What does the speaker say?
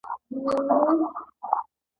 آیا دوی ځنګلونه او کورونه نه ساتي؟